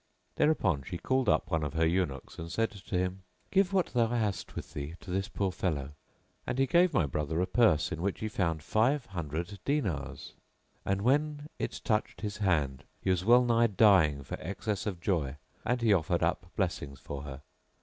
Thereupon she called up one of her eunuchs and said to him, Give what thou hast with thee to this poor fellow!". And he gave my brother a purse in which he found five hundred dinars; and when it touched his hand he was well nigh dying for excess of joy and he offered up blessings for her.